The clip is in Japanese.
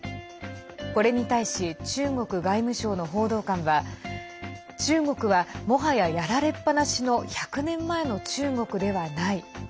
これに対し中国外務省の報道官は中国は、もはややられっぱなしの１００年前の中国ではない。